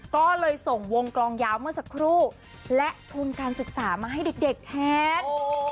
ก็เลยส่งวงกลองยาวเมื่อสักครู่และทุนการศึกษามาให้เด็กแทน